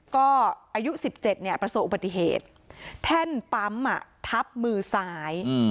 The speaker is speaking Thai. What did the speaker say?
ก็อายุสิบเจ็ดเนี่ยประสบปฏิเหตุแท่นปั๊มอ่ะทับมือสาย